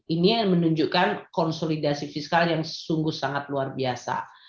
ini menunjukkan konsolidasi fiskal yang sungguh sangat luar biasa